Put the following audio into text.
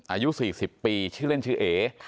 อายุ๔๐ปีชื่อเล่นชื่อเอ